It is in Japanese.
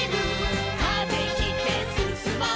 「風切ってすすもう」